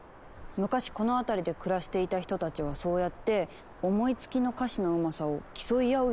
昔この辺りで暮らしていた人たちはそうやって思いつきの歌詞のうまさを競い合うようにして楽しんでいたのかも。